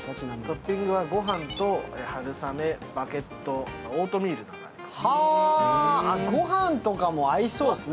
トッピングはご飯と春雨、バゲットオートミールとかもあります。